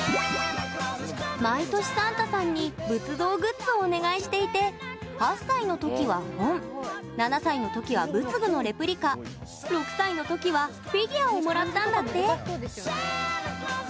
毎年、サンタさんに仏像グッズをお願いしていて８歳の時は本７歳の時は仏具のレプリカ６歳の時はフィギュアをもらったんだって。